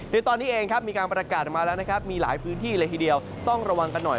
โดยตอนนี้เองครับมีการประกาศออกมาแล้วนะครับมีหลายพื้นที่เลยทีเดียวต้องระวังกันหน่อย